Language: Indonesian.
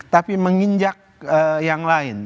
tapi menginjak yang lain